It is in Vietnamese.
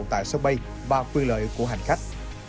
tại sân bay và quyền lợi của hành khách